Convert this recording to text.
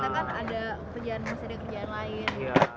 kalau kita kan ada kerjaan kerjaan lain